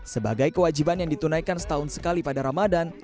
sebagai kewajiban yang ditunaikan setahun sekali pada ramadan